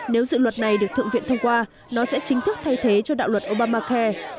nếu dự luật này được thượng viện thông qua nó sẽ chính thức thay thế cho đạo luật obamacare